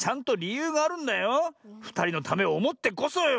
ふたりのためをおもってこそよ。